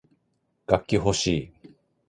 楽器ほしい